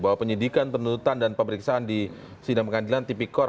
bahwa penyidikan penuntutan dan pemeriksaan di sidang pengadilan tipikor